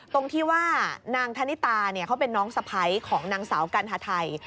ตรงที่ว่านางธนิตาเขาเป็นน้องสะพ้ายของนางสาวกัณฑไทย